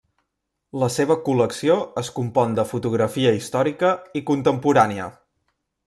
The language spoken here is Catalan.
La seva col·lecció es compon de fotografia històrica i contemporània.